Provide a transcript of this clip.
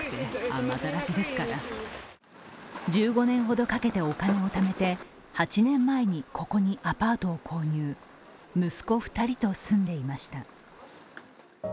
１５年ほどかけてお金をためて８年前にここにアパートを購入息子２人と住んでいました。